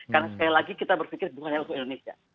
karena sekali lagi kita berpikir bukan hanya untuk indonesia